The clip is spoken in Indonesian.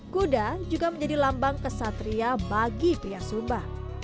kuda juga menjadi lambang kesatria bagi pria sumba